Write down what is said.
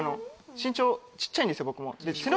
身長ちっちゃいんですよ